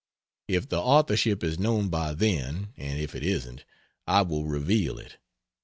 If the authorship is known by then; and if it isn't, I will reveal it.